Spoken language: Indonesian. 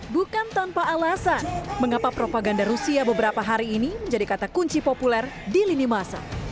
bukan tanpa alasan mengapa propaganda rusia beberapa hari ini menjadi kata kunci populer di lini masa